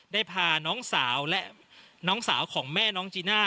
ได้พาน้องสาวและน้องสาวของแม่น้องจีน่า